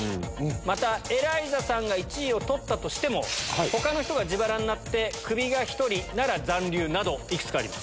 また、エライザさんが１位を取ったとしても、ほかの人が自腹になって、クビが１人なら残留など、いくつかあります。